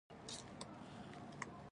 هغې موږ ته وویل تل یې پلان درلود چې له خپل